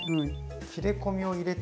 切れ込みを入れて。